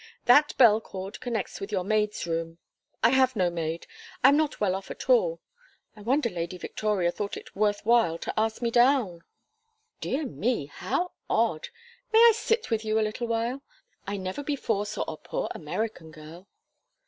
That bell cord connects with your maid's room " "I have no maid. I am not well off at all. I wonder Lady Victoria thought it worth while to ask me down." "Dear me, how odd! May I sit with you a little while? I never before saw a poor American girl."